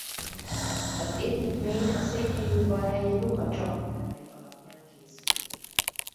Az építmény a székelyudvarhelyi Luka Csaba tervei alapján készült.